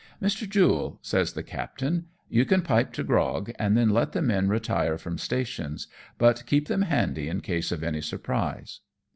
" Mr. Jule," says the captain, " you can pipe to grog, and then let the men retire from stations, but keep them handy in case of any surprise."